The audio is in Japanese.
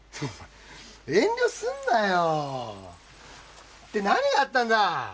遠慮するなよで何があったんだ？